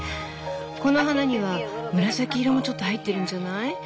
この花には紫色もちょっと入ってるんじゃない？